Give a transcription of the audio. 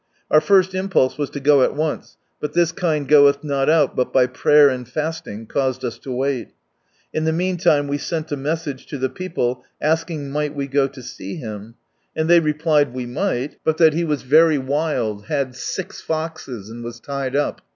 Our first impulse was lo go at once, but " this kind goeih not out but by prayer and fasting " caused us to wait ; in the meantime we sent a message to the people, asking might we go to see him, and they replied we might, but that he was very wild, " had six foxes," and was tied up.